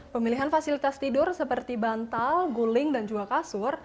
pemilihan fasilitas tidur seperti bantal guling dan juga kasur